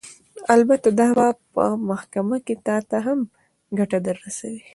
البته دا به په محکمه کښې تا ته هم ګټه درورسوي.